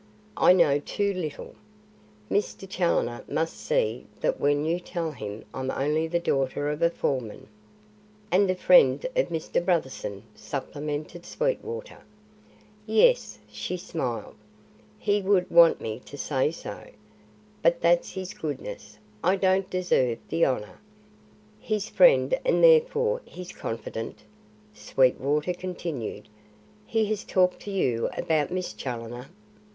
I know too little. Mr. Challoner must see that when you tell him I'm only the daughter of a foreman." "And a friend of Mr. Brotherson," supplemented Sweetwater. "Yes," she smiled, "he would want me to say so. But that's his goodness. I don't deserve the honour." "His friend and therefore his confidante," Sweetwater continued. "He has talked to you about Miss Challoner?"